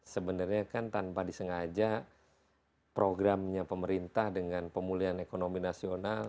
sebenarnya kan tanpa disengaja programnya pemerintah dengan pemulihan ekonomi nasional